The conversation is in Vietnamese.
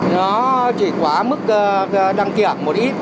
nó chỉ quá mức đăng kiểm một ít